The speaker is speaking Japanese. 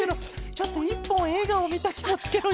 ちょっと１ぽんえいがをみたきもちケロよいま。